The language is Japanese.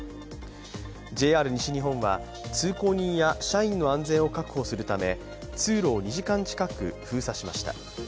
ＪＲ西日本は、通行人や社員の安全を確保するため通路を２時間近く封鎖しました。